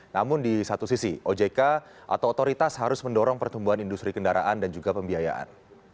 namun di satu sisi ojk atau otoritas harus mendorong pertumbuhan industri kendaraan dan juga pembiayaan